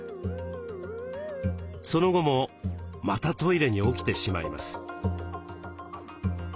その後もまたトイレに起きてしまいます。